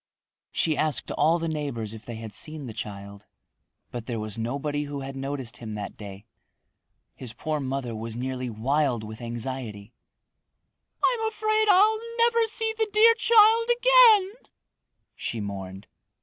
She asked all the neighbors if they had seen the child, but there was nobody who had noticed him that day. His poor mother was nearly wild with anxiety. "I'm afraid I'll never see the dear child again," she mourned.